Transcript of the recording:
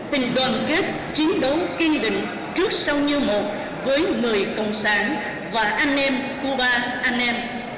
tình đoàn kết chiến đấu kiên định trước sau như một với người cộng sản và anh em cuba anh em